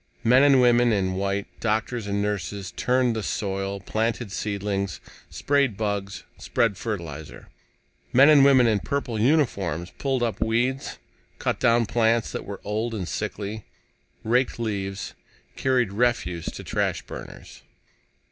Men and women in white, doctors and nurses, turned the soil, planted seedlings, sprayed bugs, spread fertilizer. Men and women in purple uniforms pulled up weeds, cut down plants that were old and sickly, raked leaves, carried refuse to trash burners.